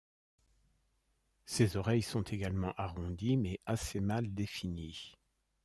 Ses oreilles sont également arrondies mais assez mal définies.